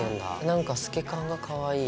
なんか透け感がかわいい。